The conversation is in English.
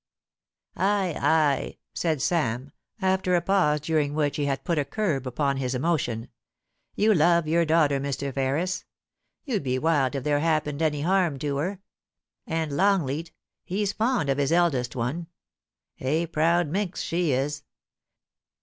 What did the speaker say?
*Ay, ay,* said Sam, after a pause, during which he had put a curb upon his emotion, * you love your daughter, Mr. Ferris. You'd be wild if there happened any harm to her. And Longleat— he's fond of his eldest one. A proud minx she is.